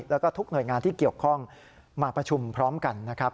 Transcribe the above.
แล้วก็ทุกหน่วยงานที่เกี่ยวข้องมาประชุมพร้อมกันนะครับ